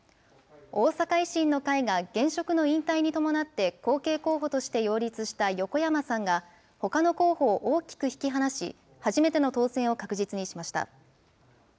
大阪維新の会が、現職の引退に伴って後継候補として擁立した横山さんが、ほかの候補を大きく引き離し、初めての当選を確実にしました。